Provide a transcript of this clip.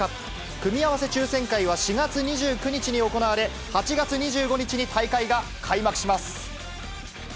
組み合わせ抽せん会は４月２９日に行われ、８月２５日に大会が開幕します。